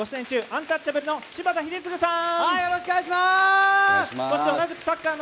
アンタッチャブルの柴田英嗣さん